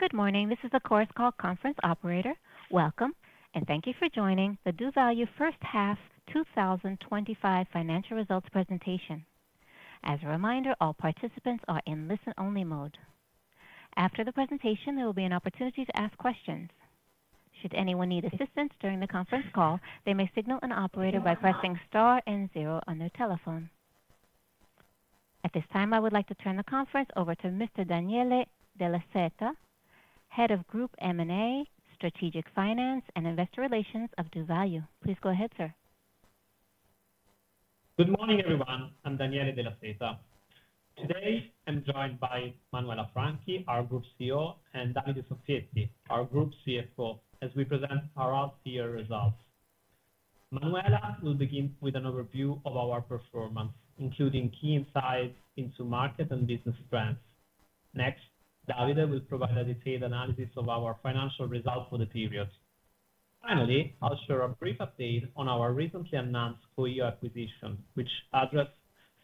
Good morning. This is, of course, the Conference Operator. Welcome, and thank you for joining the doValue First Half 2025 Financial Results Presentation. As a reminder, all participants are in listen-only mode. After the presentation, there will be an opportunity to ask questions. Should anyone need assistance during the conference call, they may signal an operator by pressing star and zero on their telephone. At this time, I would like to turn the conference over to Mr. Daniele Della Seta, Head of Group M&A, Strategic Finance, and Investor Relations of doValue. Please go ahead, sir. Good morning, everyone. I'm Daniele Della Seta. Today, I'm joined by Manuela Franchi, our Group CEO, and Davide Soffietti, our Group CFO, as we present our last year's results. Manuela will begin with an overview of our performance, including key insights into market and business plans. Next, Davide will provide a detailed analysis of our financial results for the period. Finally, I'll share a brief update on our recently announced acquisition, which addressed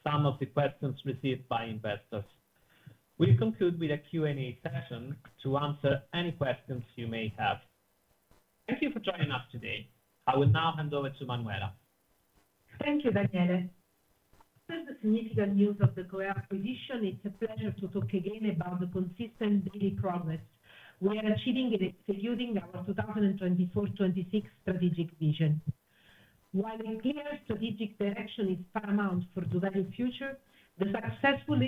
some of the questions received by investors. We'll conclude with a Q&A session to answer any questions you may have. Thank you for joining us today. I will now hand over to Manuela. Thank you, Daniele. Since the significant news of the acquisition, it's a pleasure to talk again about the consistent daily progress while achieving and executing our 2024-2026 strategic vision. While clear strategic direction is paramount for the value future, the successful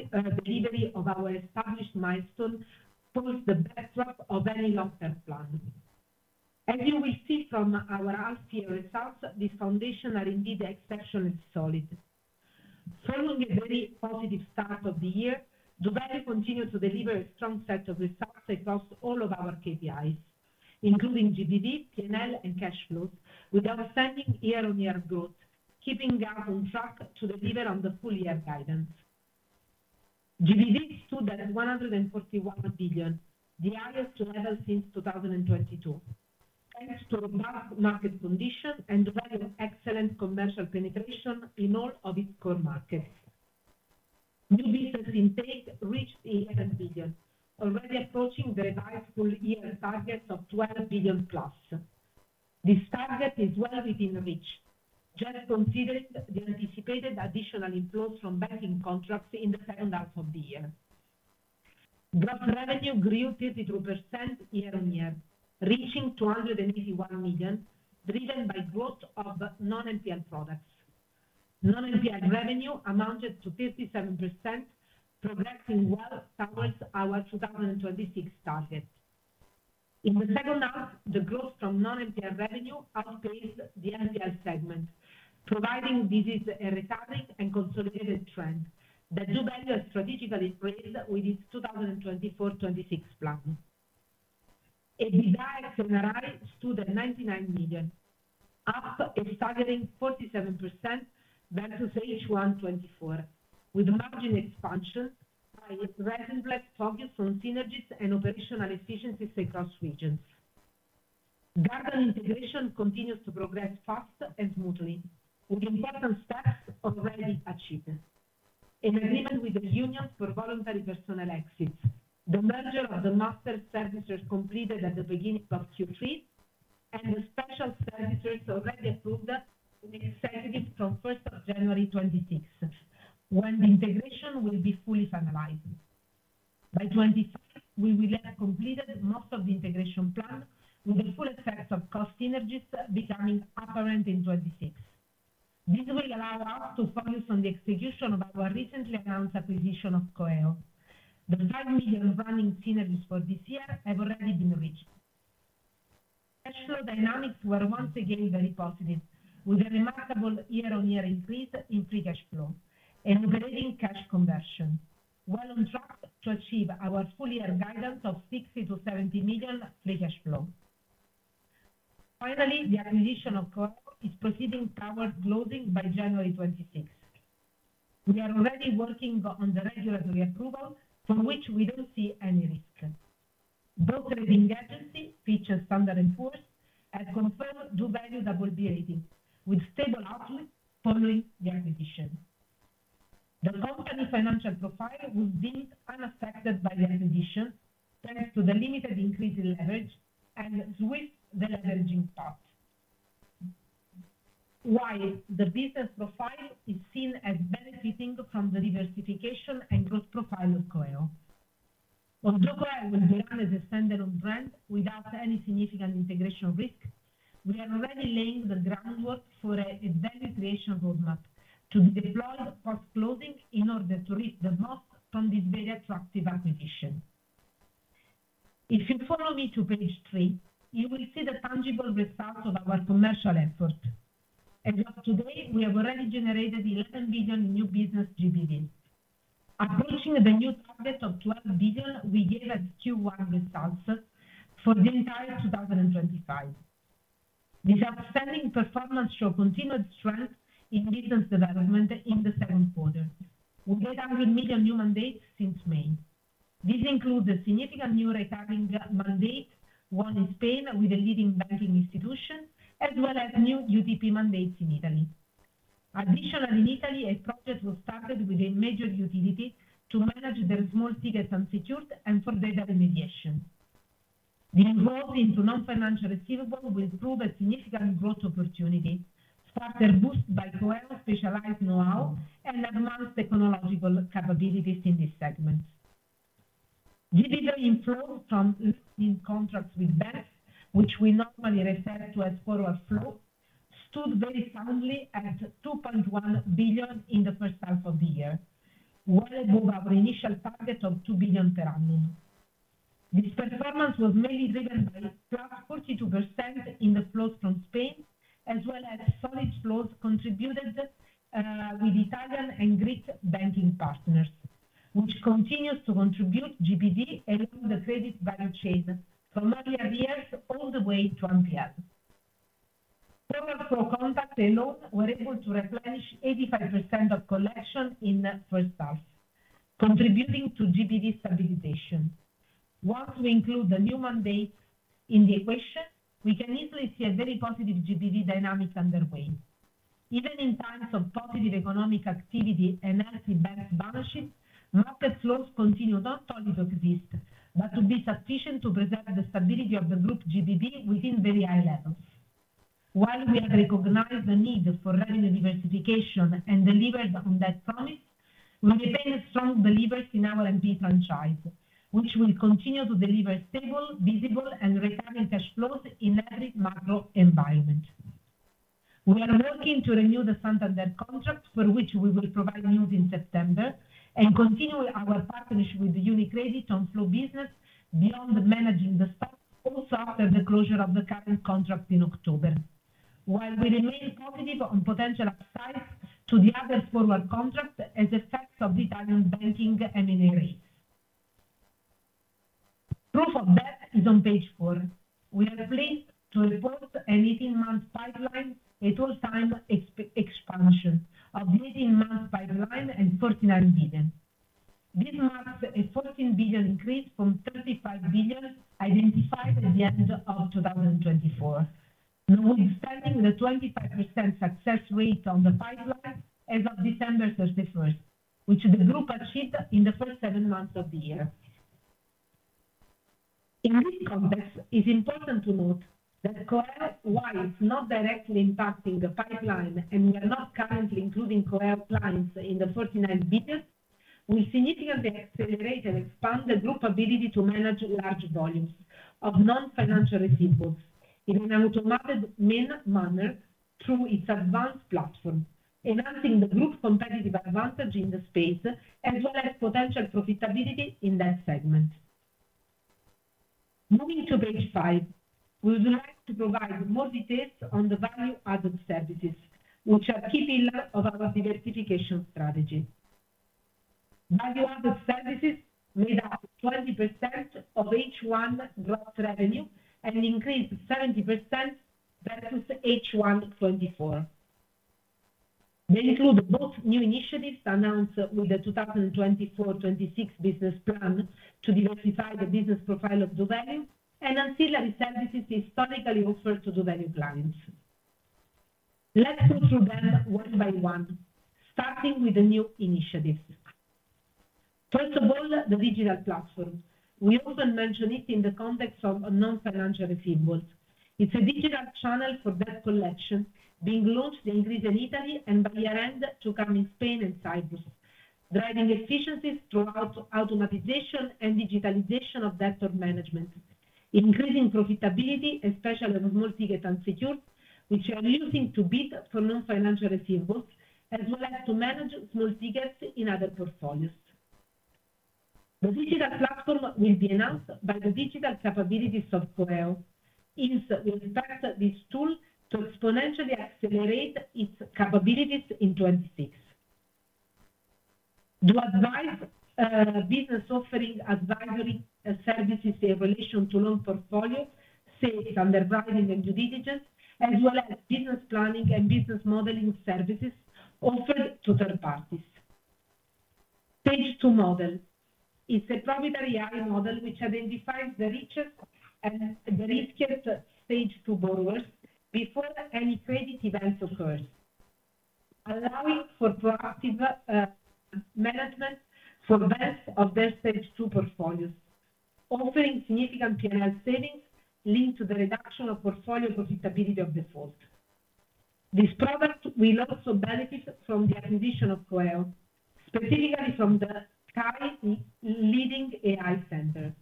delivery of our established milestones poses the backdrop of any long-term plan. As you will see from our last year's results, these foundations are indeed exceptionally solid. Following a very positive start of the year, doValue continues to deliver a strong set of results across all of our KPIs, including GDP, P&L, and cash flows, with outstanding year-on-year growth, keeping us on track to deliver on the full year guidance. GDP stood at 141 billion, the highest ever since 2022. Thanks to robust market conditions and valuable excellent commercial penetration in all of its core markets, new business intent reached 11 billion, already approaching the revised full year target of 12 billion plus. This target is well within reach, just considering the anticipated additional inflows from banking contracts in the calendar for the year. Gross revenue grew 33% year on year, reaching $281 million, driven by growth of non-NPL products. Non-NPL revenue amounted to 57%, progressing well towards our 2026 target. In the second half, the growth from non-NPL revenue outpaced the NPL segment, providing with this a recovering and consolidated trend that doValue has strategically trailed with its 2024-2026 plan. EBITDA stood at EUR 99 million, up a staggering 47% versus H1-24, with margin expansion and a relentless focus on synergies and operational efficiencies across regions. Market integration continues to progress fast and smoothly, with important steps already achieved. In agreement with the unions for voluntary personnel exits, the merger of the master services completed at the beginning of Q3 and the special services already approved in the executive conference on January 26, when the integration will be fully finalized. By 2026, we will have completed most of the integration plan with the full effect of cost synergies becoming apparent in 2026. This will allow us to focus on the execution of our recently announced acquisition of coeo. The 5 million running synergies for this year have already been reached. Cash flow dynamics were once again very positive, with a remarkable year-on-year increase in free cash flow and operating cash conversion, while on track to achieve our full year guidance of 60 million-70 million free cash flow. Finally, the acquisition of Coeo is proceeding towards closing by January 26. We are already working on the regulatory approval, from which we don't see any risk. The brokerage agency, Standard & Poor’s, has confirmed doValue's BB rating, with stable outlook following the acquisition. The long-term financial profile will be unaffected by the acquisition, thanks to the limited increase in leverage and with the deleveraging part. While the business profile is seen as benefiting from the diversification and growth profile of coeo. While coeo will be an extended on brand without any significant integration risk, we are already laying the groundwork for a value creation roadmap to be deployed post-closing in order to reach the most from this very attractive acquisition. If you follow me to page three, you will see the tangible result of our commercial effort. As of today, we have already generatedw 11 billion in new business GDP, approaching the new target of 12 billion we gave as Q1 results for the entire 2025. The outstanding performance shows continued strength in business development in the second quarter, with 800 million new mandates since May. This includes a significant new retiring mandate, one in Spain with a leading banking institution, as well as new UDP mandates in Italy. Additionally, in Italy, a project was started with a major utility to manage their small tickets unsecured and for data remediation. The enrollment into non-financial receivables will prove a significant growth opportunity, further boosted by coeo's specialized know-how and advanced technological capabilities in this segment. GDP inflows from listing contracts with banks, which we normally refer to as forward flow, stood very soundly at 2.1 billion in the first half of the year, well above our initial target of 2 billion per annum. This performance was mainly driven by +42% in the flows from Spain, as well as solid flows contributed with Italian and Greek banking partners, which continues to contribute GDP and the credit bank chain from RPM all the way to NPL. Through our full contract alone, we were able to replenish 85% of collection in that first half, contributing to GDP stabilization. Once we include the new mandates in the equation, we can easily see a very positive GDP dynamic underway. Even in times of positive economic activity and healthy bank balance sheets, market flows continue not only to exist, but to be sufficient to preserve the stability of the group GDP within very high levels. While we have recognized the need for revenue diversification and delivered on that promise, we retain a strong belief in our NPL franchise, which will continue to deliver stable, visible, and returning cash flows in every macro environment. We are working to renew the Santander contract, for which we will provide news in September, and continue our partnership with UniCredit on flow business beyond managing the stock, also after the closure of the current contract in October. We remain positive on potential upsides to the other forward flow contracts as effects of the Italian banking M&A rate. Proof of that is on page four. We are pleased to report an all-time expansion of the 18-month pipeline at 49 billion. This marks a 14 billion increase from 35 billion identified at the end of 2024, notwithstanding the 25% success rate on the pipeline as of December 31, which the group achieved in the first seven months of the year. In this context, it's important to note that coeo, while not directly impacting the pipeline and we are not currently including coeo clients in the 49 billion, will significantly accelerate and expand the group's ability to manage large volumes of non-financial receivables in an automated manner through its advanced platform, enhancing the group's competitive advantage in the space, as well as potential profitability in that segment. Moving to page five, we would like to provide more details on the value-added services, which are a key pillar of our diversification strategy. Value-added services made up 20% of H1 gross revenue and increased 70% versus H1 2023. They include both new initiatives announced with the 2024-2026 business plan to diversify the business profile of doValue and unsettled services historically offered to doValue clients. Let's go through them one by one, starting with the new initiatives. First of all, the digital platform. We often mention it in the context of non-financial receivables. It's a digital channel for debt collection being launched in Greece and Italy and by year-end to come in Spain and Cyprus, driving efficiencies throughout automatization and digitalization of debt management, increasing profitability, especially on small tickets unsecured, which are using to bid for non-financial receivables, as well as to manage small tickets in other portfolios. The digital platform will be announced by the digital capabilities of Coeo. Ease will impact this tool to exponentially accelerate its capabilities in 2026. DoAdvice, our business offering advisory services in relation to loan portfolios, saves underwriting and due diligence, as well as business planning and business modeling services offered to third parties. Stage 2 AI model. It's a proprietary AI model which identifies the richer and the riskier stage 2 borrowers before any credit events occur, allowing for proactive management for both of their stage 2 portfolios, offering significant P&L savings linked to the reduction of portfolio profitability of default. This product will also benefit from the acquisition of coeo, specifically from the KAI Technologies leading AI center.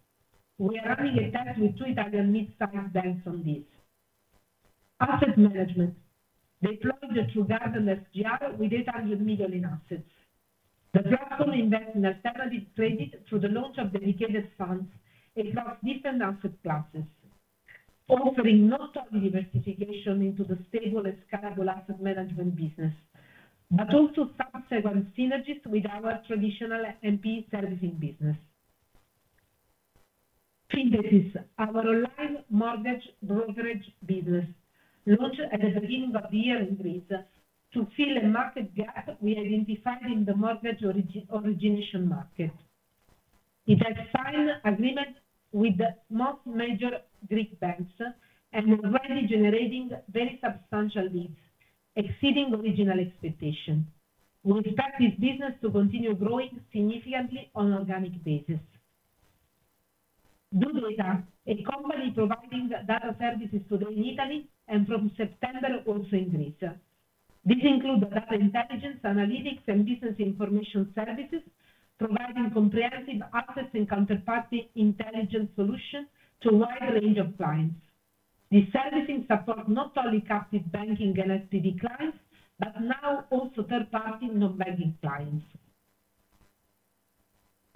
We are running a test with two Italian mid-sized banks on this. Asset management. They closed through Gardant SGR with Italian middle-in assets. The platform invests in a standard credit through the launch of dedicated funds across different asset classes, offering not only diversification into the stable and scalable asset management business, but also subsequent synergies with our traditional NPL servicing business. FinTHESIS, our online mortgage brokerage business, launched at the beginning of the year in Greece to fill a market gap we identified in the mortgage origination market. It has signed agreements with the most major Greek banks and is already generating very substantial leads, exceeding the regional expectation. We expect this business to continue growing significantly on an organic basis. Dubloita, a company providing data services today in Italy and from September also in Greece. This includes data intelligence, analytics, and business information services, providing comprehensive assets and counterparty intelligence solutions to a wide range of clients. This servicing supports not only captive banking and SPD clients, but now also third-party non-banking clients.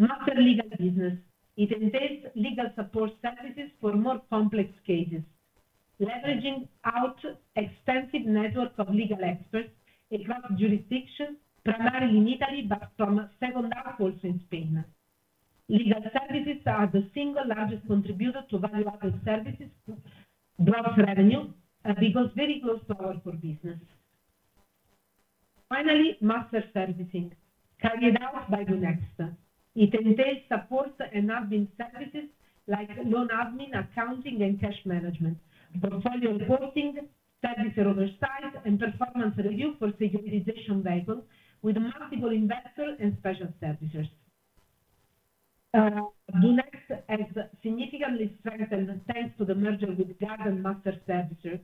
Master Legal Business. It entails legal support services for more complex cases, leveraging our extensive networks of legal experts across jurisdictions, primarily in Italy, but from several now also in Spain. Legal services are the single largest contributor to value-added services gross revenue and are very close to our core business. Finally, master servicing, carried out by doNext. It entails support and admin services like loan admin, accounting, and cash management, portfolio reporting, services oversight, and performance review for securitization vehicles with multiple investors and special services. doNext has significantly strengthened thanks to the merger with Gardant Master Services,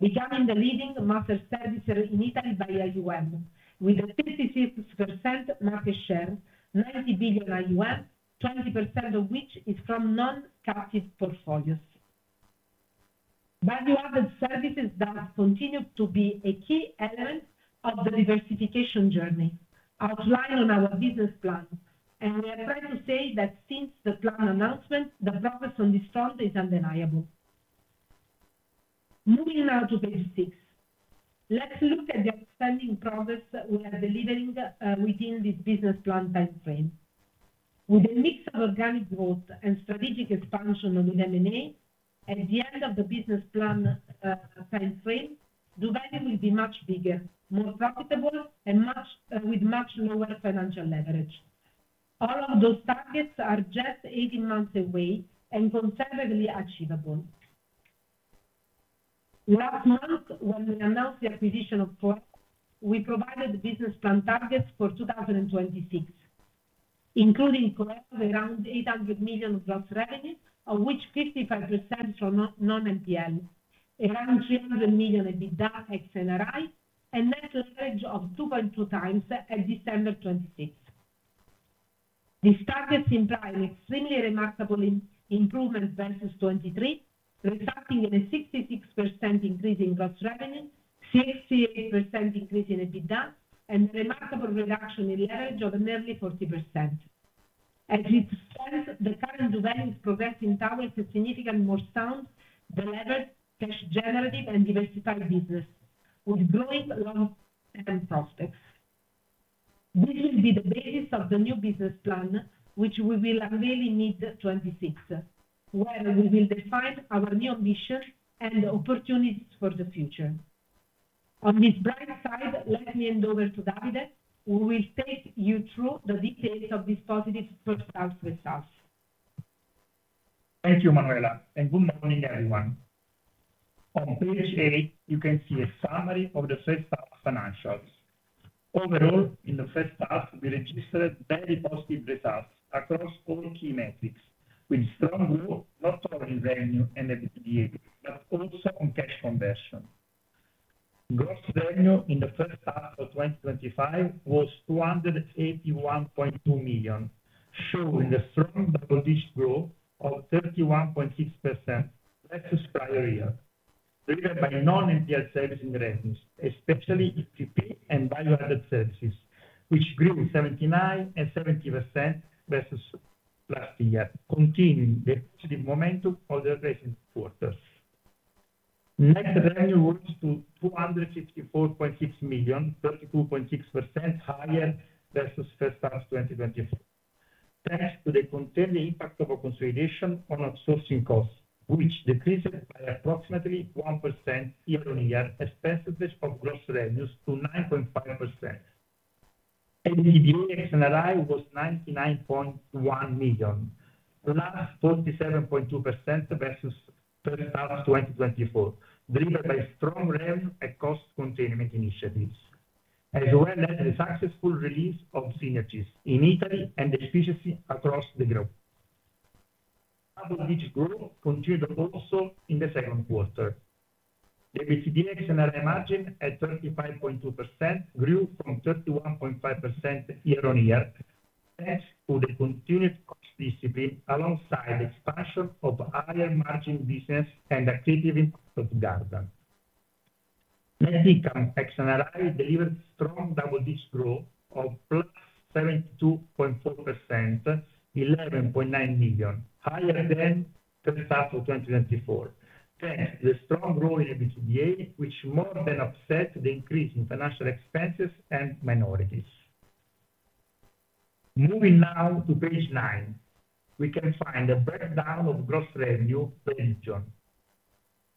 becoming the leading master servicer in Italy by IUM, with a 56% market share, 90 billion IUM, 20% of which is from non-captive portfolios. Value-added services continue to be a key element of the diversification journey, outlined on our business plan, and we are ready to say that since the plan announcement, the progress on this front is undeniable. Moving now to page six, let's look at the outstanding progress we are delivering within this business plan timeframe. With a mix of organic growth and strategic expansion on M&A, at the end of the business plan timeframe, doValue will be much bigger, more profitable, and with much lower financial leverage. All of those targets are just 18 months away and considerably achievable. Last month, when we announced the acquisition of coeo, we provided the business plan targets for 2026, including coeo of around 800 million of gross revenue, of which 55% from non-NPL, around 300 million EBITDA accelerated, and net leverage of 2.2x as of December 2026. These targets imply an extremely remarkable improvement versus 2023, resulting in a 66% increase in gross revenue, 68% increase in EBITDA, and a remarkable reduction in leverage of nearly 40%. As a result, the current doValue is progressing towards a significantly more sound, brighter, cash-generative, and diversified business, with growing loan-acceptance prospects. This will be the basis of the new business plan, which we will really need in 2026, where we will define our new ambitions and opportunities for the future. On this bright side, let me hand over to Davide, who will take you through the details of this positive first half results. Thank you, Manuela, and good morning, everyone. On page eight, you can see a summary of the first half's financials. Overall, in the first half, we registered very positive results across all key metrics, with strong growth not only in revenue and LTV, but also on cash conversion. Gross revenue in the first half of 2025 was 281.2 million, showing a strong double-digit growth of 31.6% versus prior year, driven by non-NPL servicing revenues, especially GDP and value-added services, which grew 79% and 70% versus last year, continuing the positive momentum of the recent quarters. Net revenue rose to 254.6 million, 32.6% higher versus first half 2025, thanks to the continued impact of consolidation on outsourcing costs, which decreased by approximately 1% year-on-year, as a percentage of gross revenues to 9.5%. The EBITDA accelerated to EUR 99.1 million, plus 47.2% versus first half 2024, driven by strong revenue and cost containment initiatives, as well as a successful release of synergies in Italy and efficiency across the group. Double-digit growth continued also in the second quarter, where its EBITDA margin at 35.2% grew from 31.5% year-on-year, thanks to the continued cost discipline alongside the expansion of higher margin business and activity of Gardant. Net income accelerated, delivered strong double-digit growth of plus 72.4%, 11.9 million, higher than first half of 2024, thanks to the strong growth in the EBITDA, which more than offset the increase in financial expenses and minorities. Moving now to page nine, we can find a breakdown of gross revenue per region.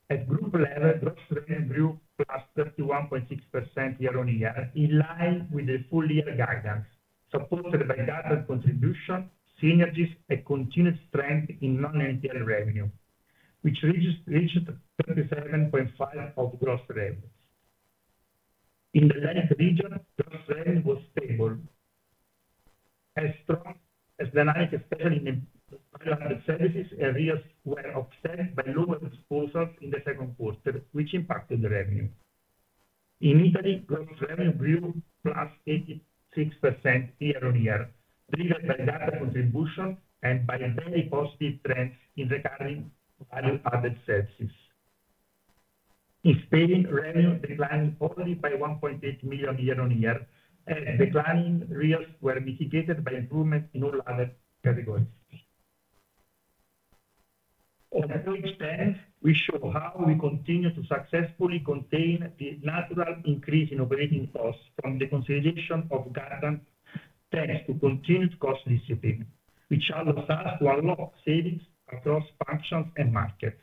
At group level, gross revenue grew plus 31.6% year-on-year, in line with the full year guidance, supported by Gardant contribution, synergies, and continued strength in non-NPL revenue, which reached 37.5% of gross revenue. In the Greece region, gross revenue was stable. As strong as the 97% in the value-added services areas were observed, the lower exposure in the second quarter impacted the revenue. In Italy, gross revenue grew plus 86% year-on-year, driven by Gardant contribution and by a very positive trend in recurring value-added services. In Spain, revenue declined only by 1.8 million year-on-year, and declining reels were mitigated by improvement in all other categories. On the next page, we show how we continue to successfully contain the natural increase in operating costs from the consolidation of Gardant thanks to continued cost discipline, which allows for a lot of savings across functions and markets.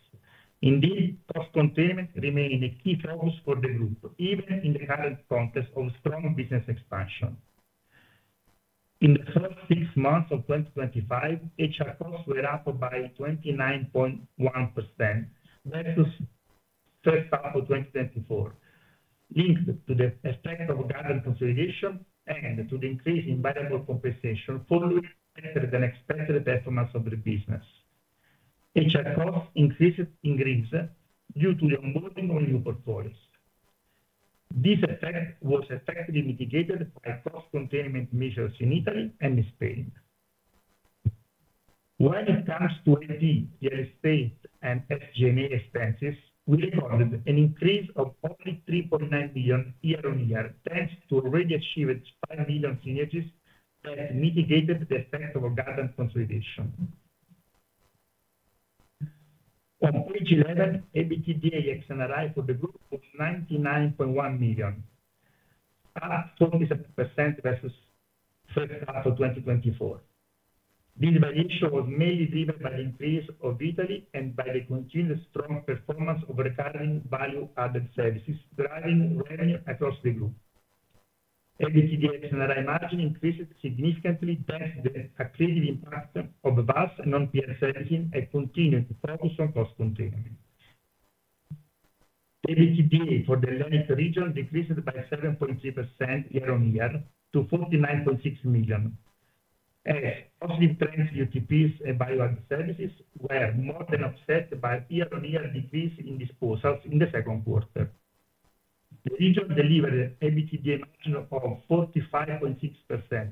Indeed, cost containment remains a key focus for the group, even in the current context of strong business expansion. In the first six months of 2025, HR costs were up by 29.1% versus the first half of 2024, linked to the expansion of Gardant consolidation and to the increase in bilateral compensation following better than expected performance of the business. HR costs increased due to the onboarding of new portfolios. This effect was effectively mitigated by cost containment measures in Italy and Spain. When it comes to LG, real estate, and LGMA expenses, we recorded an increase of only 3.9 million year-on-year, thanks to already achieved 5 million synergies that mitigated the effect of a Gardant consolidation. On page 11, EBITDA accelerated for the group to 99.1 million, up 47% versus first half of 2024. This valuation was mainly driven by the increase of Italy and by the continued strong performance of recurring value-added services, driving revenue across the group. EBITDA accelerated margin increases significantly thanks to the accretive impact of both non-NPL servicing and continued focus on cost containment. EBITDA for the Leoni region decreased by 7.3% year-on-year to 49.6 million. Positive trends in UTPs and value-added services were more than upset by year-on-year decrease in disposals in the second quarter. The region delivered an EBITDA margin of 45.6%,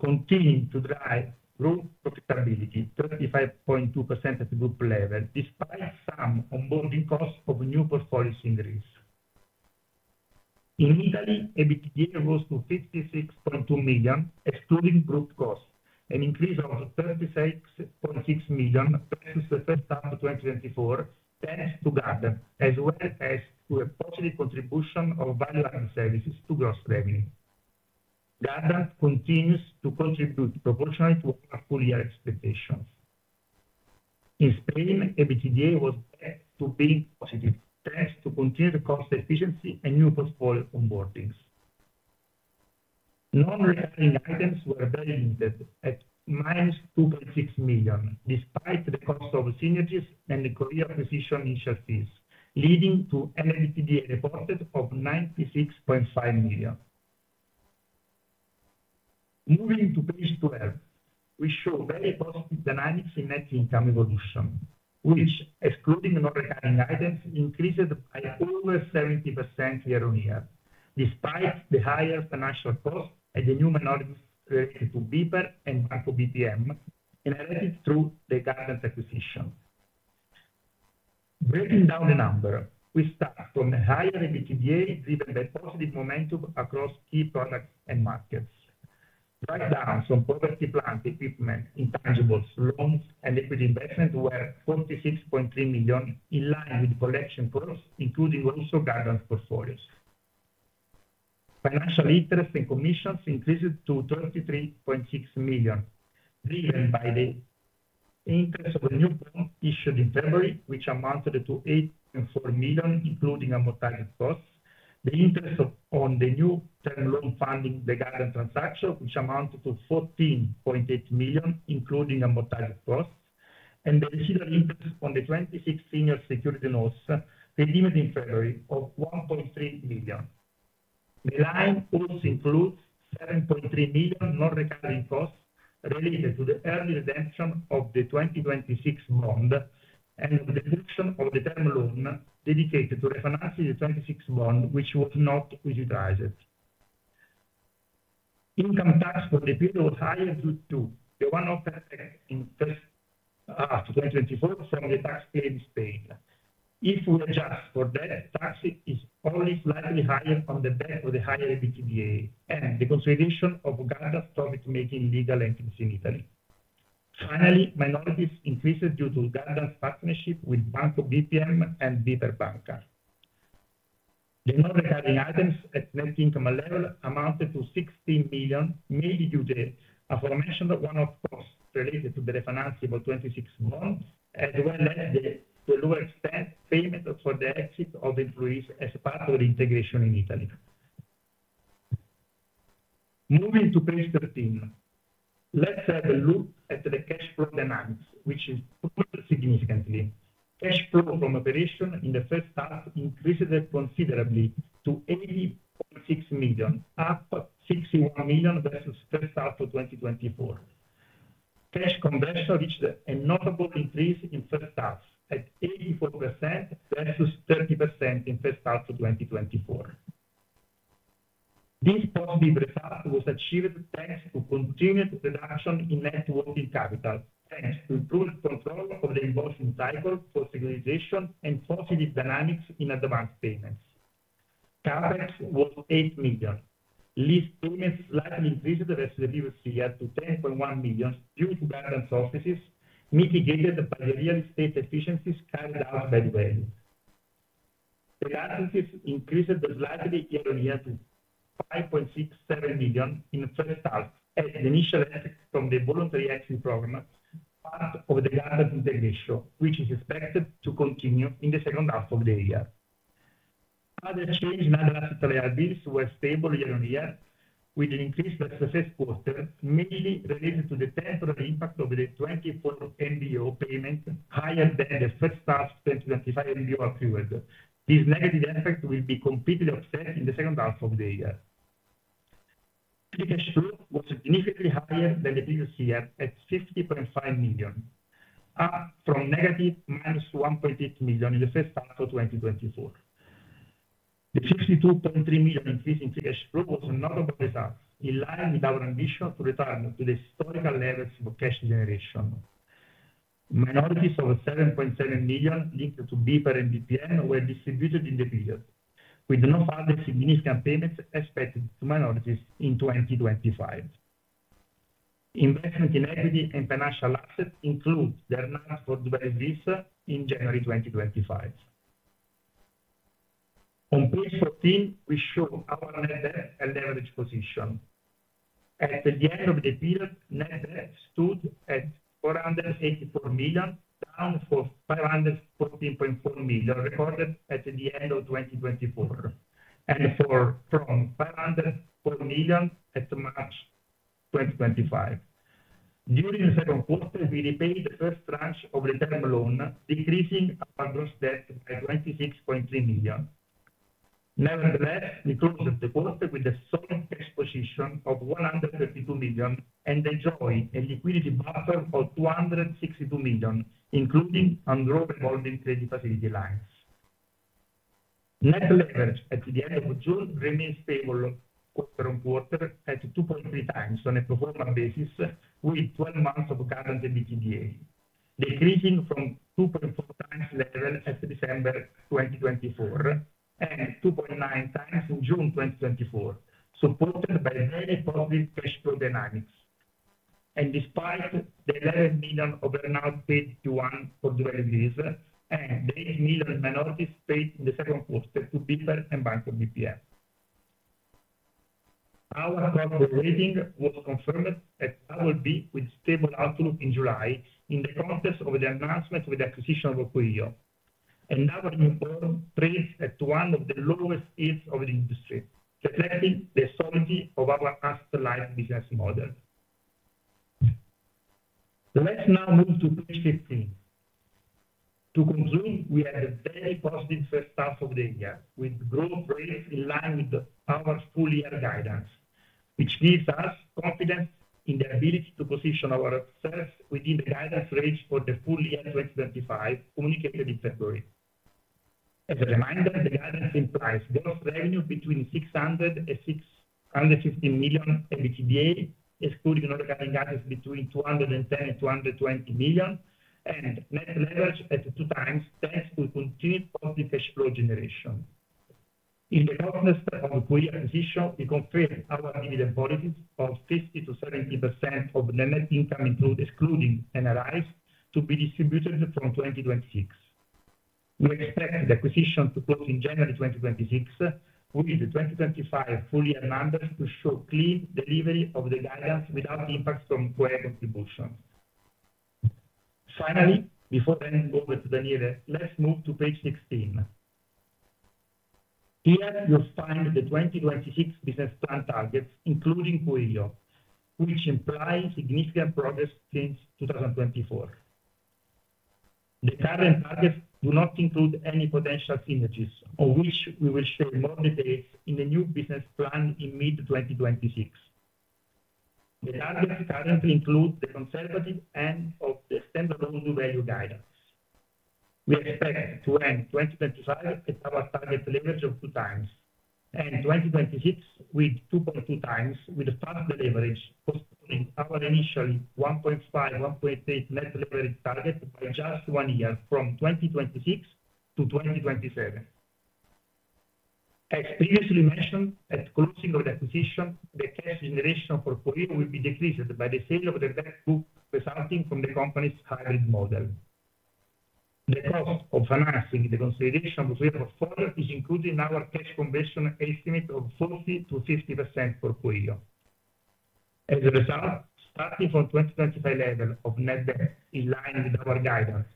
continuing to drive group profitability to 35.2% at the group level, despite some onboarding costs of new portfolios in Greece. In Italy, EBITDA rose to 56.2 million, excluding group costs, and increased around 36.6 million since the first half of 2024, thanks to Gardant, as well as to a positive contribution of value-added services to gross revenue. Gardant continues to contribute proportionately to our full year expectations. In Spain, EBITDA was added to being positive, thanks to continued cost efficiency and new portfolio onboardings. Non-revenue items were very limited at minus 2.6 million, despite the cost of synergies and the coeo acquisition initial fees, leading to an EBITDA reported of 96.5 million. Moving to page 12, we show very positive dynamics in net income evolution, which, excluding non-revenue items, increased by almost 70% year-on-year, despite the higher financial costs and the new minorities related to BPA and Banco BPM and related through the Gardant acquisition. Breaking down the number, we start from a higher EBITDA driven by positive momentum across key products and markets. Pipelines on property plans, equipment, intangibles, loans, and liquid investments were 46.3 million, in line with the collection growth, including also Gardant portfolios. Financial interest and commissions increased to 33.6 million, driven by the interest for new loans issued in February, which amounted to 8.4 million, including amortized costs, the interest on the new term loan funding the Gardant transaction, which amounted to 14.8 million, including amortized costs, and the residual interest on the 2026 senior security notes delivered in February of 1.3 million. The line also includes 7.3 million non-recurring costs related to the early redemption of the 2026 bond and the redemption of the term loan dedicated to refinancing the 2026 bond, which was not utilized. Income tax for the period was higher due to the one-off effect in the first half of 2024 from the taxpayer in Spain. If we adjust for that, the tax rate is always slightly higher on the back of the higher EBITDA and the consolidation of Gardant's profit-making legal entities in Italy. Finally, minorities increased due to Gardant's partnership with Banco BPM and BPA Banka. The non-revenue items at net income level amounted to 16 million, mainly due to the aforementioned one-off costs related to the refinancing of 2026 bonds and the one-year delay to a lower expense payment for the exit of employees as part of the integration in Italy. Moving to page 13, let's have a look at the cash flow dynamics, which improved significantly. Cash flow from operation in the first half increased considerably to 86.6 million, up 61 million versus the first half of 2024. Cash conversion reached a notable increase in the first half at 84% versus 30% in the first half of 2024. This positive result was achieved thanks to continued reduction in net working capital, thanks to improved control of the invoicing cycle for stabilization and positive dynamics in the amount of payments. CapEx was 8 million. Lease payments slightly increased versus the previous year to 10.1 million due to Gardant's offices, mitigated by the real estate efficiencies carried out by doValue. Reliances increased slightly year on year to 5.67 million in the first half, and the initial effects from the voluntary exit program are part of the Gardant integration, which is expected to continue in the second half of the year. Other exchange and other asset allowables were stable year-on-year, with an increase versus the first quarter, mainly related to the temporary impact of the 2024 MBO payments, higher than the first half of 2025 MBO accrued. These negative effects will be completely offset in the second half of the year. Free cash flow was significantly higher than the previous year at 50.5 million, up from -1.6 million in the first half of 2024. The 52.3 million increase in free cash flow was a notable result, in line with our ambition to return to the historical levels of cash generation. Minorities of 7.7 million linked to BPA and BPM were distributed in the period, with no other significant payments expected to minorities in 2025. Investment in equity and financial assets includes the announced by doValue in January 2025. On page 15, we show net and leverage position. At the end of the period, net stood at 484 million, down from 514.4 million recorded at the end of 2024, and from 504 million as much as 2025. During the second quarter, we repaid the first branch of the term loan, decreasing our gross debt by 26.3 million. Nevertheless, we closed the quarter with a solid cash position of 132 million and enjoyed a liquidity buffer of 262 million, including on growth holding credit facility lines. Net leverage at the end of June remains stable quarter on quarter at 2.3x on a proportional basis with 12 months of Gardant EBITDA, decreasing from 2.3x level at December 2024 and 2.9x in June 2024, supported by very positive cash flow dynamics. Despite the 11 million of earnout paid to one for doValue, and the 8 million minorities paid in the second quarter to BPA and Banco BPM. Our credit rating was confirmed at BB with stable outlook in July in the context of the announcement of the acquisition of Coeo, another new board placed at one of the lowest EVs of the industry, reflecting the sovereignty of our asset aligned business model. Let's now move to page 15. To conclude, we had a very positive first half of the year, with growth rates in line with our full year guidance, which gives us confidence in the ability to position ourselves within the guidance range for the full year 2025, communicated in February. As a reminder, the guidance implies gross revenue between 600 million and 650 million EBITDA, excluding non-revenue items between 210 million and 220 million, and net leverage at 2x, thanks to continued positive cash flow generation. In the context of the Coeo position, we confirm our dividend policies of 60%-70% of the net income included, excluding NRIs, to be distributed from 2026. We expect the acquisition to close in January 2026, with the 2025 full year numbers to show clean delivery of the guidance without impacts from Coeo contributions. Finally, before turning over to Daniele, let's move to page 16. Here, you'll find the 2026 business plan targets, including Coeo, which imply significant progress since 2024. The current targets do not include any potential synergies, of which we will show more details in the new business plan in mid-2026. The targets currently include the conservative end of the extended loan to value guidance. We expect to end 2025 at our target leverage of 2x, and 2026 with 2.2x, with a target leverage in our initial 1.5x-1.8x net leverage target in just one year, from 2026 to 2027. As previously mentioned, at the closing of the acquisition, the cash generation for coeo will be decreased by the sale of the debt group resulting from the company's hiring model. The cost of financing the consolidation of the portfolio is included in our cash conversion estimate of 40%-50% for coeo As a result, starting from the 2025 level of net debt, in line with our guidance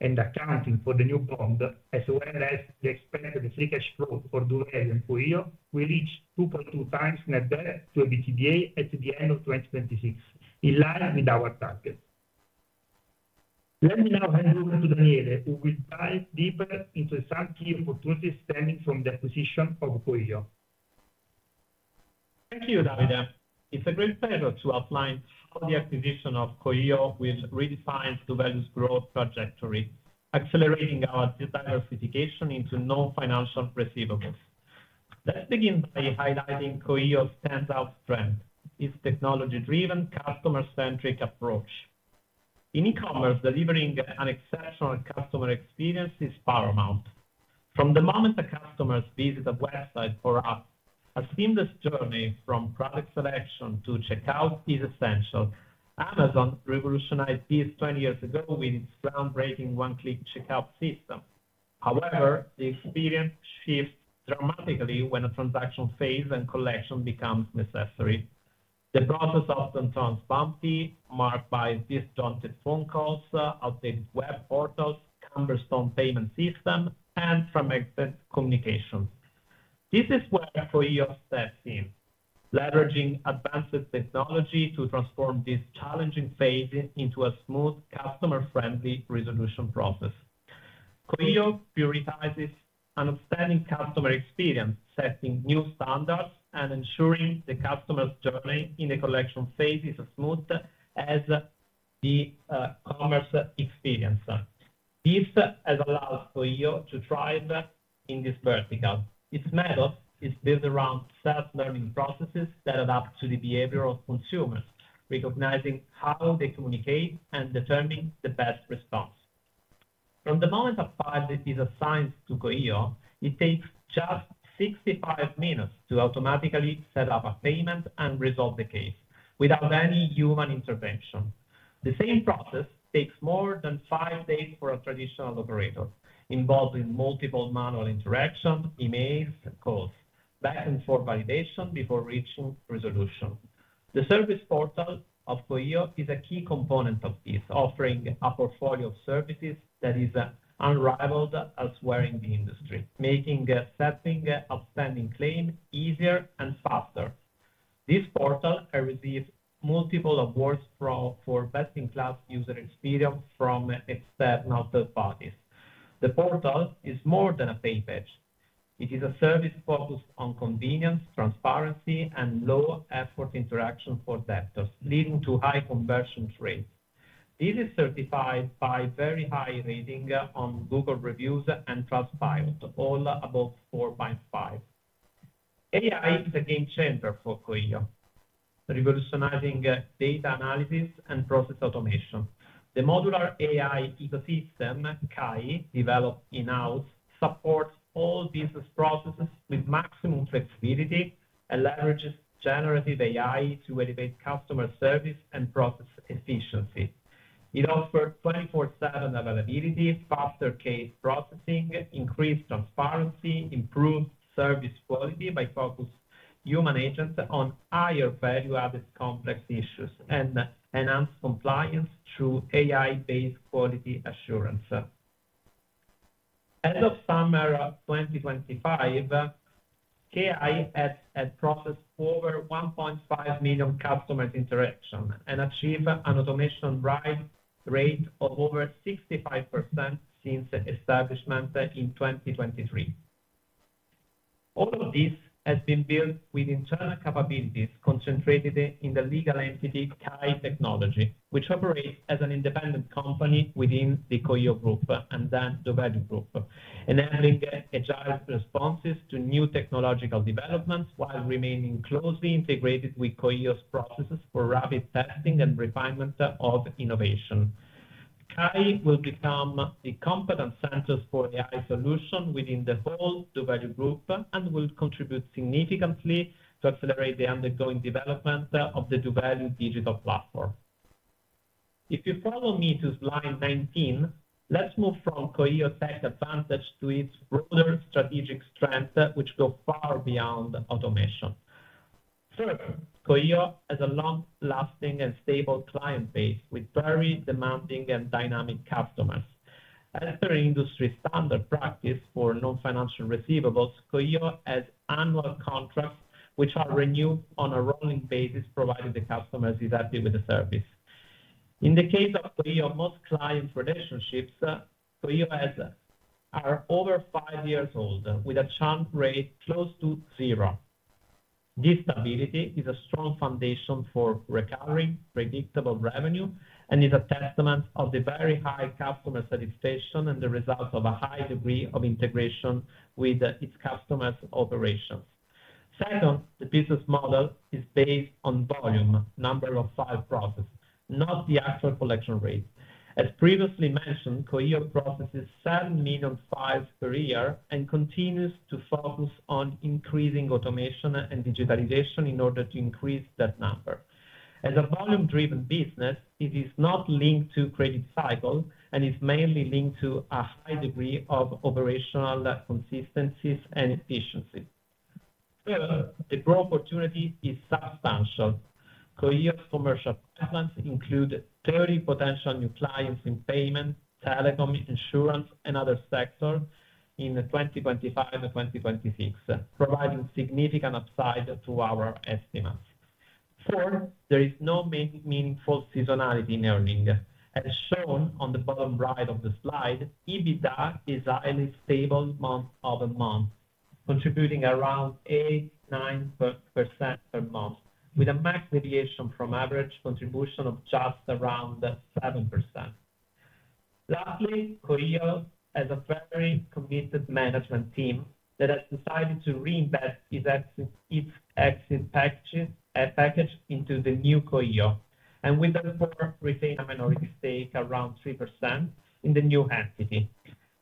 and accounting for the new bond, as well as the expanded free cash flow for doValue and coeo, we reach 2.2x net debt to EBITDA at the end of 2026, in line with our target. Let me now hand over to Daniele, who will dive deeper into the subject of what is stemming from the acquisition of coeo. Thank you, Davide. It's a great pleasure to outline the acquisition of coeo which redefines doValue's growth trajectory, accelerating our diversification into non-financial receivables. Let's begin by highlighting coeo's standout strength: its technology-driven, customer-centric approach. In e-commerce, delivering an exceptional customer experience is paramount. From the moment a customer visits a website or app, a seamless journey from product selection to checkout is essential. Amazon revolutionized this 20 years ago with its groundbreaking one-click checkout system. However, the experience shifts dramatically when a transaction phase and collection becomes necessary. The process often sounds bumpy, marked by disjointed phone calls, outdated web portals, cumbersome payment systems, and fragmented communication. This is where coeo steps in, leveraging advanced technology to transform this challenging phase into a smooth, customer-friendly resolution process. coeo prioritizes an outstanding customer experience, setting new standards and ensuring the customer's journey in the collection phase is as smooth as the e-commerce experience. This has allowed coeo to thrive in this vertical. Its method is built around self-learning processes that adapt to the behavior of consumer, recognizing how they communicate and determine the best response. From the moment a file is assigned to coeo, it takes just 65 minutes to automatically set up a payment and resolve the case without any human intervention. The same process takes more than five days for a traditional operator, involving multiple manual interactions, emails, calls, back and forth validation before reaching resolution. The service portal of coeo is a key component of this, offering a portfolio of services that is unrivaled elsewhere in the industry, making setting outstanding claims easier and faster. This portal has received multiple awards for best-in-class user experience from external third parties. The portal is more than a pay page. It is a service focused on convenience, transparency, and low-effort interaction for debtors, leading to high conversion rates. It is certified by very high rating on Google Reviews and Trustpilot, all above 4 by 5. AI is a game changer for coeo, revolutionizing data analysis and process automation. The modular AI ecosystem, KAI, developed in-house, supports all business processes with maximum flexibility and leverages generative AI to elevate customer service and process efficiency. It offers 24/7 availability, faster case processing, increased transparency, improved service quality by focusing human agents on higher value-added complex issues, and enhanced compliance through AI-based quality assurance. As of summer 2025, KAI has processed over 1.5 million customer interactions and achieved an automation drive rate of over 65% since establishment in 2023. All of this has been built with internal capabilities concentrated in the legal entity KAI Technologies, which operates as an independent company within the coeo group and then doValue Group, enabling agile responses to new technological developments while remaining closely integrated with coeo's processes for rapid testing and refinement of innovation. KAI will become the competent centers for AI solutions within the whole doValue Group and will contribute significantly to accelerate the ongoing development of the doValue digital platform. If you follow me to slide 19, let's move from coeo's tech advantage to its broader strategic strengths, which go far beyond automation. coeo has a long-lasting and stable client base with very demanding and dynamic customers. As per industry standard practice for non-financial receivables, coeo has annual contracts which are renewed on a rolling basis, providing the customers directly with the service. In the case of coeo, most client relationships are over five years old, with a churn rate close to zero. This stability is a strong foundation for recurring, predictable revenue and is a testament of the very high customer satisfaction and the results of a high degree of integration with its customers' operations. Second, the business model is based on volume, number of files processed, not the actual collection rate. As previously mentioned, coeo processes 7 million files per year and continues to focus on increasing automation and digitalization in order to increase that number. As a volume-driven business, it is not linked to the credit cycle and is mainly linked to a high degree of operational consistencies and efficiencies. The growth opportunity is substantial. coeo's commercial pipelines include 30 potential new clients in payment, telecom, insurance, and other sectors in 2025 and 2026, providing significant upside through our estimates. In short, there is no meaningful seasonality in earnings. As shown on the bottom right of the slide, EBITDA is highly stable month over month, contributing around 8%-9% per month, with a max deviation from average contribution of just around 7%. Lastly, coeo has a very committed management team that has decided to reinvest its exit package into the new coeo and will therefore retain a minority stake, around 3%, in the new entity.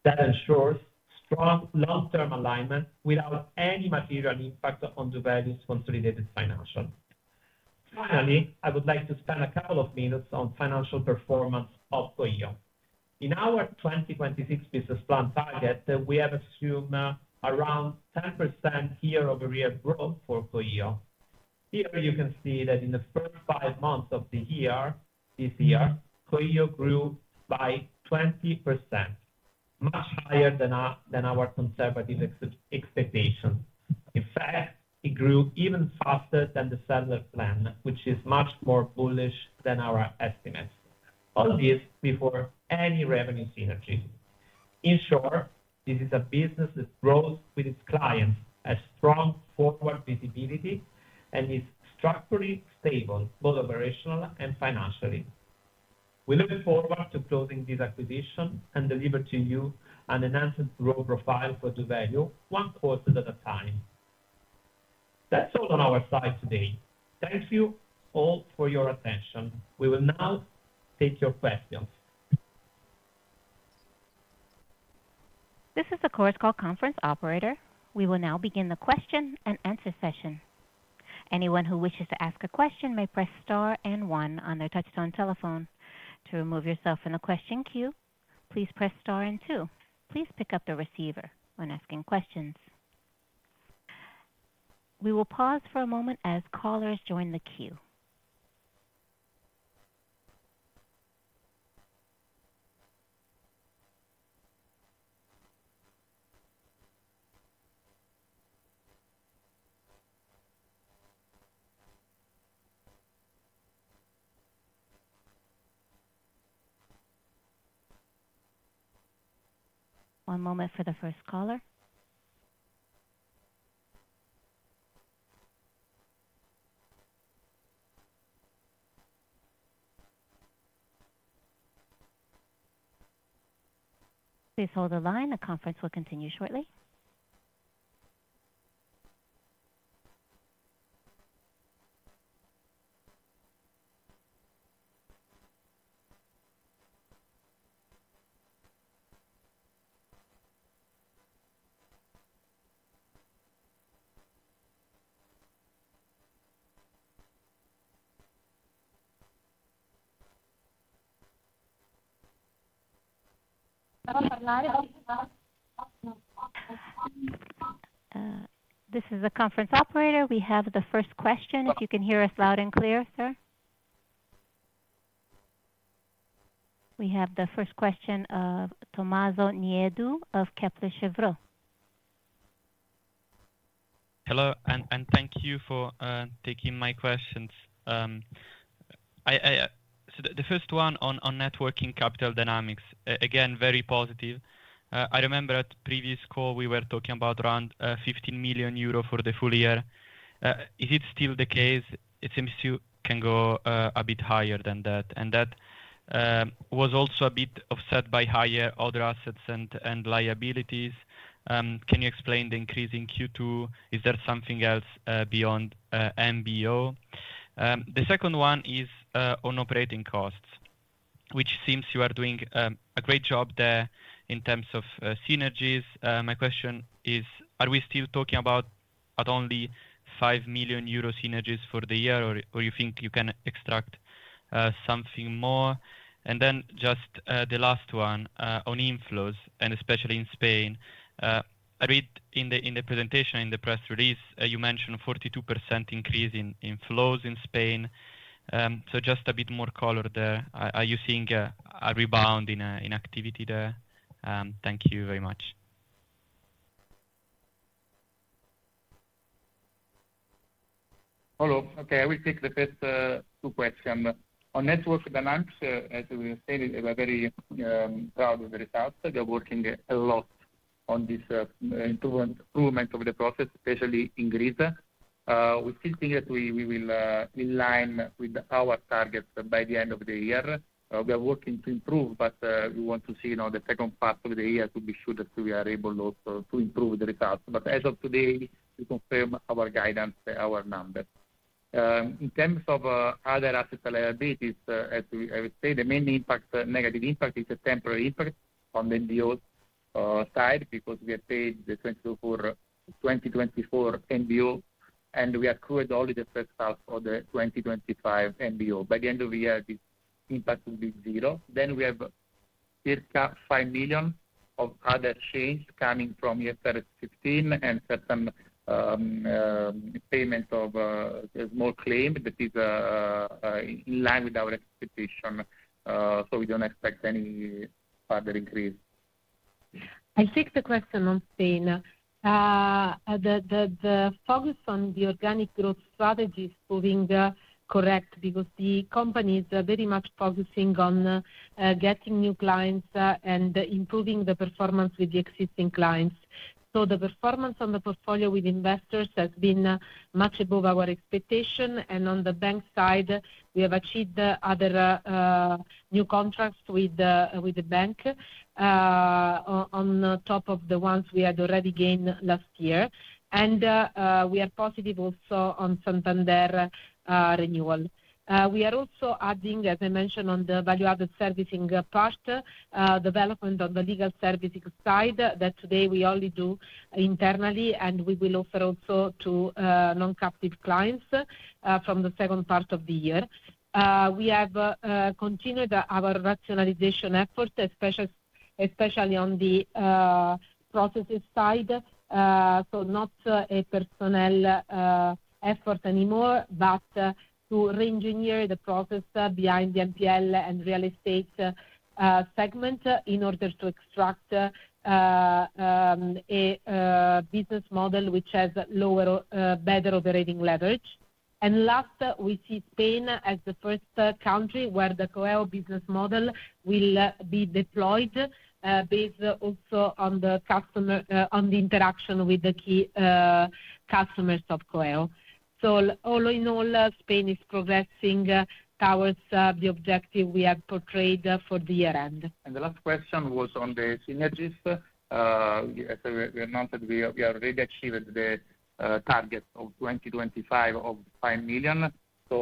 That ensures strong long-term alignment without any material impact on doValue's consolidated financials. Finally, I would like to spend a couple of minutes on the financial performance of coeo. In our 2026 business plan target, we have assumed around 10% year-over-year growth for coeo. Here, you can see that in the first five months of the year, this year, coeo grew by 20%, much higher than our conservative expectation. In fact, it grew even faster than the seller's plan, which is much more bullish than our estimates. All this before any revenue synergies. In short, this is a business that grows with its clients, has strong forward visibility, and is structurally stable, both operational and financially. We look forward to closing this acquisition and delivering to you an enhanced growth profile for doValue one quarter at a time. That's all on our side today. Thank you all for your attention. We will now take your questions. This is the Chorus call conference operator. We will now begin the question and answer session. Anyone who wishes to ask a question may press star and one on their touch-tone telephone. To remove yourself from the question queue, please press star and two. Please pick up the receiver when asking questions. We will pause for a moment as callers join the queue. One moment for the first caller. Please hold the line. The conference will continue shortly. This is the conference operator. We have the first question. If you can hear us loud and clear, sir. We have the first question from Tommaso Nieddu of Kepler Cheuvreux. Hello, and thank you for taking my questions. The first one on networking capital dynamics, again, very positive. I remember at the previous call, we were talking about around 15 million euro for the full year. Is it still the case? It seems to go a bit higher than that. That was also a bit offset by higher other assets and liabilities. Can you explain the increase in Q2? Is there something else beyond MBO? The second one is on operating costs, which seems you are doing a great job there in terms of synergies. My question is, are we still talking about only 5 million euro synergies for the year, or do you think you can extract something more? Just the last one on inflows, especially in Spain. I read in the presentation, in the press release, you mentioned a 42% increase in flows in Spain. Just a bit more color there. Are you seeing a rebound in activity there? Thank you very much. Hello. Okay, I will take the first two questions. On network dynamics, as we stated, we are very proud of the results. We are working a lot on this improvement of the process, especially in Greece. We still think that we will align with our targets by the end of the year. We are working to improve, but we want to see the second part of the year to be sure that we are able also to improve the results. As of today, we confirm our guidance, our numbers. In terms of other assets and liabilities, as we say, the main impact, negative impact, is a temporary impact on the MBO side because we have paid the 2024 MBO, and we accrued only the first half of the 2025 MBO. By the end of the year, this impact will be zero. We have circa 5 million of other change coming from year 2015 and certain payments of a small claim that is in line with our expectation. We don't expect any further increase. I take the question on Spain. The focus on the organic growth strategy is proving correct because the company is very much focusing on getting new clients and improving the performance with the existing clients. The performance on the portfolio with investors has been much above our expectation. On the bank side, we have achieved other new contracts with the bank on top of the ones we had already gained last year. We are positive also on Santander renewal. We are also adding, as I mentioned, on the value-added servicing part, development on the legal services side that today we only do internally, and we will offer also to non-captive clients from the second part of the year. We have continued our rationalization efforts, especially on the processes side. Not a personnel effort anymore, but to re-engineer the process behind the NPL and real estate segment in order to extract a business model which has lower, better operating leverage. Last, we see Spain as the first country where the coeo business model will be deployed, based also on the interaction with the key customers of coeo. All in all, Spain is progressing towards the objective we have portrayed for the year-end. The last question was on the synergies. As we announced, we have already achieved the target of 2025 of $5 million. We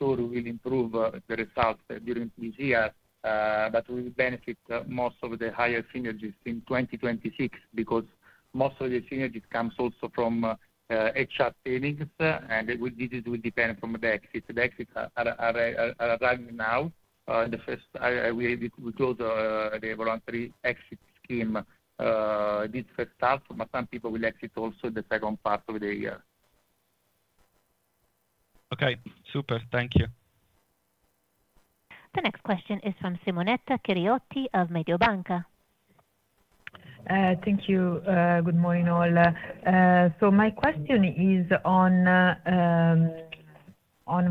will improve the results during this year, but we will benefit most of the higher synergies in 2026 because most of the synergies come also from HR savings, and this will depend on the exit. The exits are arriving now. We closed the voluntary exit scheme this first half, but some people will exit also in the second part of the year. Okay. Super. Thank you. The next question is from Simonetta Cheriotti of Mediobanca. Thank you. Good morning all. My question is on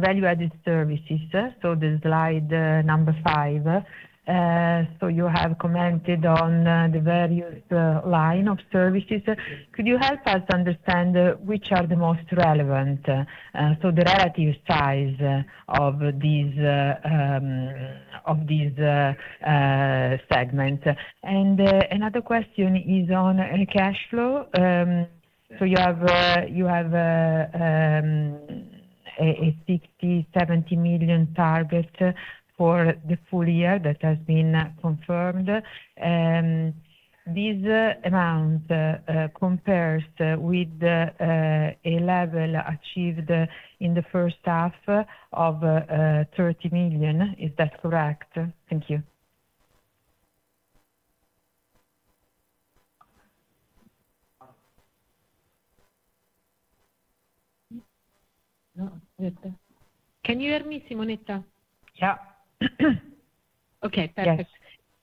value-added services, on slide number five. You have commented on the various lines of services. Could you help us understand which are the most relevant, the relative size of this segment? Another question is on cash flow. You have a 60 million-70 million target for the full year that has been confirmed. This amount compares with a level achieved in the first half of 30 million. Is that correct? Thank you. Can you hear me, Simonetta? Yeah. Okay. Perfect.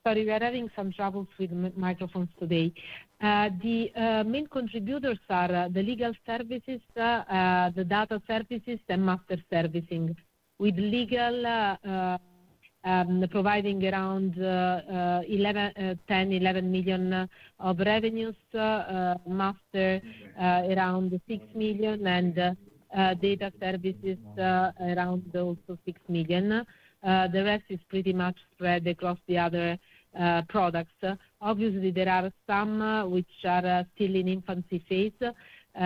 Sorry, we're having some troubles with the microphones today. The main contributors are the legal services, the data services, and master servicing, with legal providing around 10 million, 11 million of revenues, master around 6 million, and data services around also 6 million. The rest is pretty much where they cross the other products. Obviously, there are some which are still in infancy phase,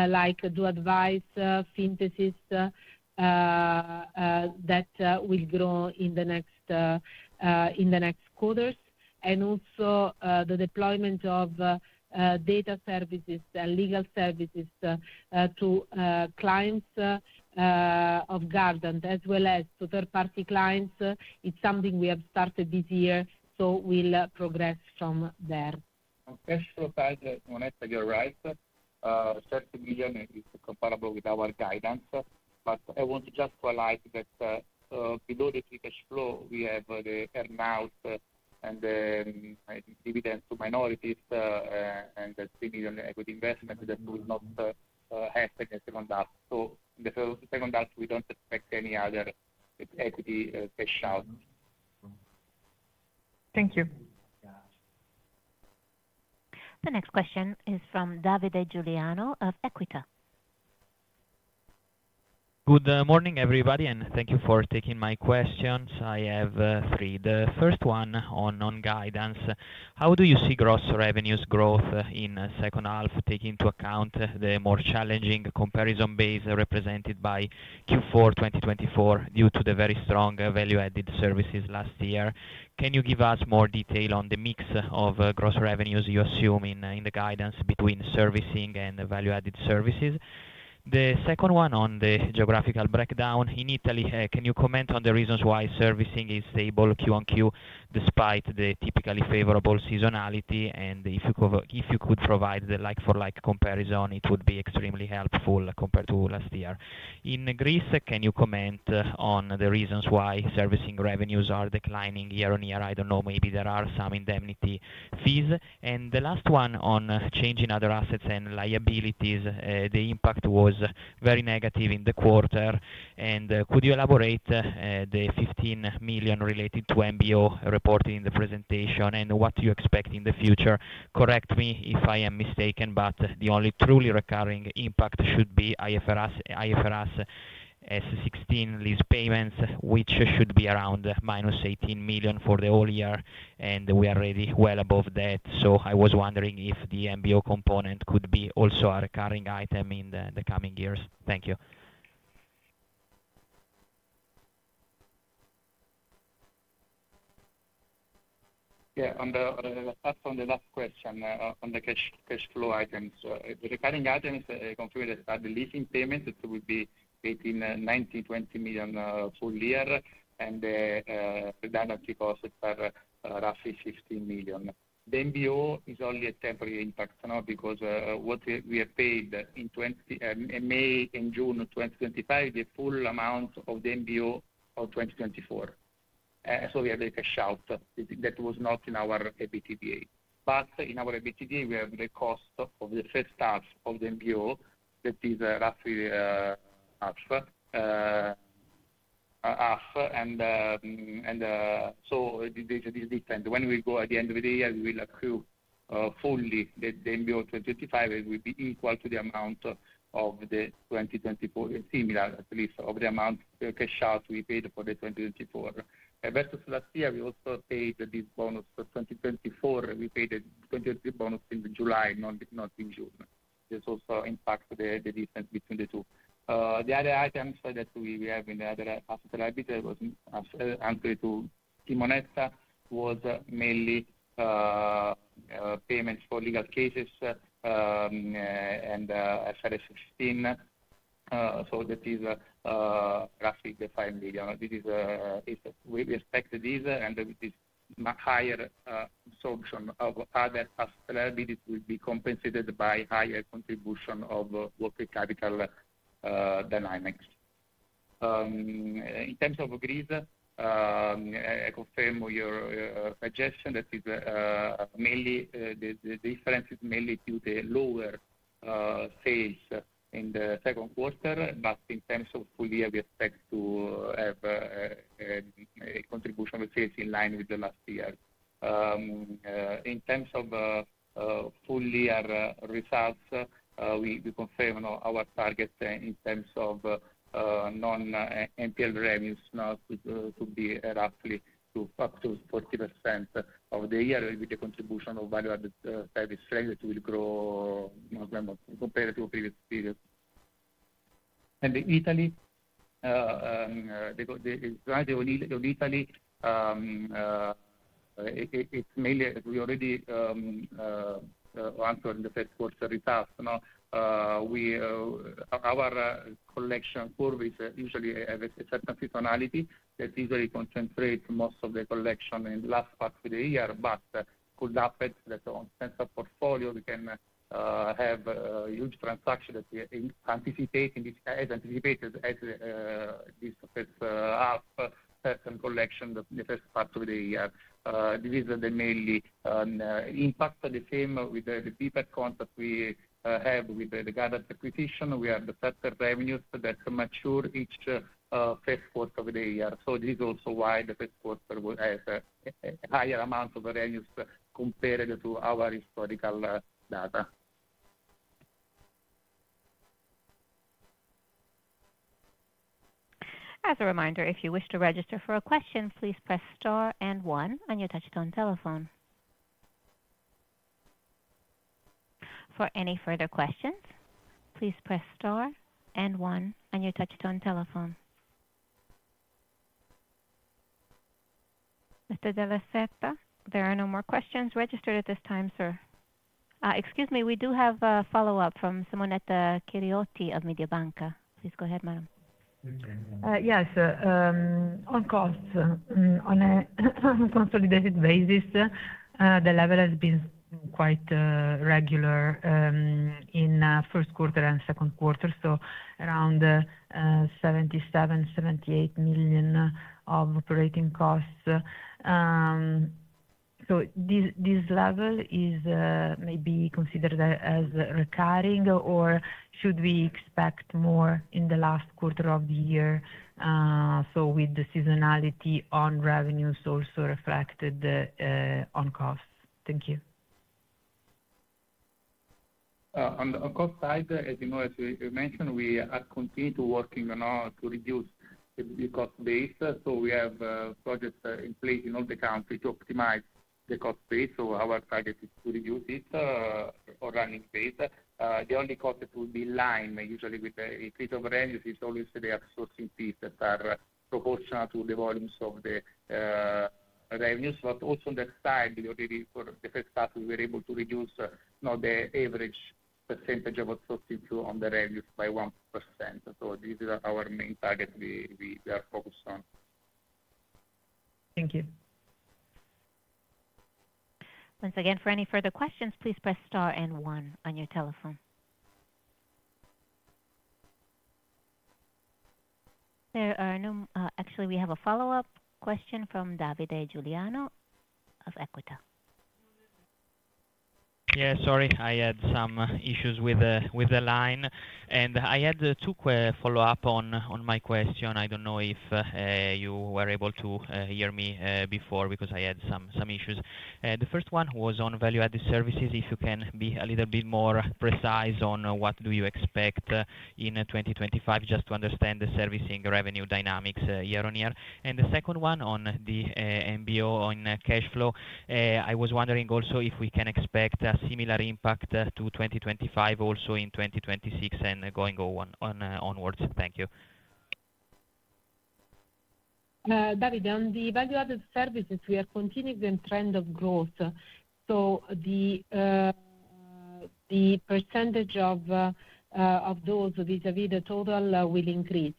like doAdvice, Synthesis, that will grow in the next quarters, and also the deployment of data services and legal services to clients of Gardant, as well as to third-party clients. It's something we have started this year, we'll progress from there. On the personal side, simonetta, you're right. 30 million is comparable with our guidance. I want to just highlight that with only free cash flow, we have the earnout and the dividends to minorities, and the EUR 3 million equity investment that will not happen in the second half. In the second half, we don't expect any other equity cash out. Thank you. Yeah. The next question is from Davide Giuliano of Equita. Good morning, everybody, and thank you for taking my questions. I have three. The first one on non-guidance. How do you see gross revenues growth in the second half, taking into account the more challenging comparison base represented by Q4 2024 due to the very strong value-added services last year? Can you give us more detail on the mix of gross revenues you assume in the guidance between servicing and value-added services? The second one on the geographical breakdown in Italy. Can you comment on the reasons why servicing is stable Q on Q despite the typically favorable seasonality? If you could provide the like-for-like comparison, it would be extremely helpful compared to last year. In Greece, can you comment on the reasons why servicing revenues are declining year on year? I don't know. Maybe there are some indemnity fees. The last one on changing other assets and liabilities. The impact was very negative in the quarter. Could you elaborate the 15 million related to MBO reported in the presentation and what you expect in the future? Correct me if I am mistaken, but the only truly recurring impact should be IFRS S16 lease payments, which should be around -18 million for the whole year. We are already well above that. I was wondering if the MBO component could be also a recurring item in the coming years. Thank you. Yeah. On the last question on the cash flow items, the recurring items are the leasing payments. It would be between EURb 19 million and 20 million per year, and the predominantly cost per roughly 15 million. The MBO is only a temporary impact now because what we have paid in May and June 2025, the full amount of the MBO of 2024. We have the cash out. That was not in our EBITDA. In our EBITDA, we have the cost of the first half of the MBO. That is roughly half. This is different. When we go at the end of the year, we will accrue fully the MBO of 2025, and it will be equal to the amount of the 2024, similar at least, of the amount of cash out we paid for the 2024. Versus last year, we also paid this bonus. For 2024, we paid a 2023 bonus in July, not in June. This also impacts the difference between the two. The other items that we have in the other revenues, answered to Simonetta, was mainly payments for legal cases and IFRS 16. That is roughly the 5 million. We expect this, and with this much higher absorption of other assets, it would be compensated by a higher contribution of working capital dynamics. In terms of Greece, I confirm your suggestion that the difference is mainly due to the lower sales in the second quarter, but in terms of full year, we expect to have a contribution of sales in line with the last year. In terms of full year results, we confirm our target in terms of non-NPL revenues to be roughly up to 40% of the year, with the contribution of value-added services that will grow compared to the previous period. In Italy, it's mainly we already answered the first quarter results. Our collection quarters usually have a certain seasonality that usually concentrates most of the collection in the last part of the year, but it could happen that on the portfolio, we can have a huge transaction that we anticipate as this first half, certain collection in the first part of the year. This is the main impact. The same with the PPA accounts that we have with the Gardant acquisition. We have certain revenues that mature each first quarter of the year. This is also why the first quarter has a higher amount of revenues compared to our historical data. As a reminder, if you wish to register for a question, please press star and one on your touchstone telephone. For any further questions, please press star and one on your touchstone telephone. That is all set. There are no more questions registered at this time, sir. Excuse me, we do have a follow-up from Simonetta Cheriotti of Mediobanca. Please go ahead, madam. Yes. Of course. On a consolidated basis, the level has been quite regular in the first quarter and second quarter, around 77 million, 78 million of operating costs. This level may be considered as recurring, or should we expect more in the last quarter of the year with the seasonality on revenues also reflected on costs? Thank you. On the cost side, as you know, as we mentioned, we are continuing to work to reduce the cost base. We have projects in place in all the country to optimize the cost base. Our target is to reduce it or run increase. The only cost that will be in line usually with the increase of revenues is always the outsourcing fees that are proportional to the volumes of the revenues. Also on that side, we already for the first half, we were able to reduce the average percentage of outsourcing flow on the revenues by 1%. This is our main target we are focused on. Thank you. Once again, for any further questions, please press star and one on your telephone. Actually, we have a follow-up question from Davide Giuliano of Equita Sorry, I had some issues with the line. I had two follow-ups on my question. I don't know if you were able to hear me before because I had some issues. The first one was on value-added services, if you can be a little bit more precise on what you expect in 2025, just to understand the servicing revenue dynamics year on year. The second one on the MBO on cash flow, I was wondering also if we can expect a similar impact to 2025, also in 2026, and going onwards. Thank you. Davide, on the value-added services, we have continued the trend of growth. The percentage of those, vis-à-vis the total, will increase,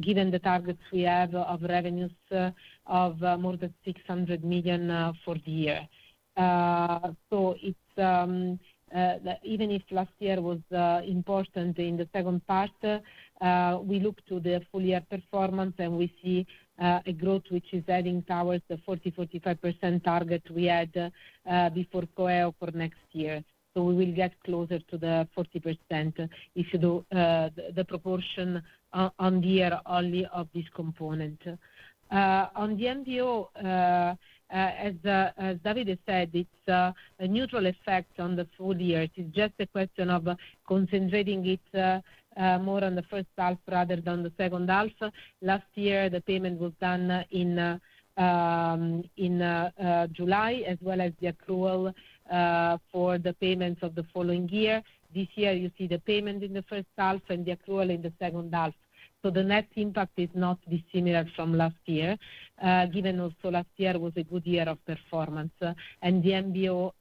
given the targets we have of revenues of more than 600 million for the year. Even if last year was important in the second part, we look to the full year performance and we see a growth which is adding towards the 40%-45% target we had before coeo for next year. We will get closer to the 40% if you do the proportion on the year only of this component. On the MBO, as Davide said, it's a neutral effect on the full year. It's just a question of concentrating it more on the first half rather than the second half. Last year, the payment was done in July, as well as the accrual for the payments of the following year. This year, you see the payment in the first half and the accrual in the second half. The net impact is not dissimilar from last year, given also last year was a good year of performance. The MBO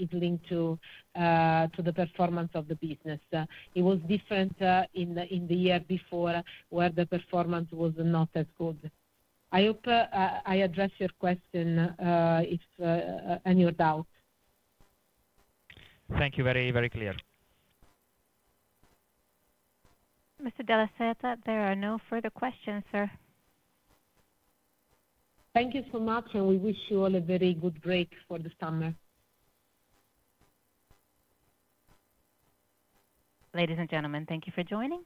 is linked to the performance of the business. It was different in the year before where the performance was not that good. I hope I addressed your question if any other doubt. Thank you. Very, very clear. Daniele Della Seta, there are no further questions, sir. Thank you so much, and we wish you all a very good break for the summer. Ladies and gentlemen, thank you for joining.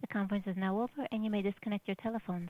The conference is now over, and you may disconnect your telephones.